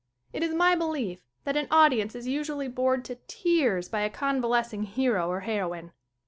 It is my belief that an audience is usually bored to tears by a convalescing hero or heroine.